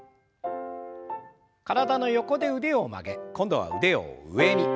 体の横で腕を曲げ今度は腕を上に。